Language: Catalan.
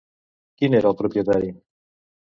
Qui n'era el propietari?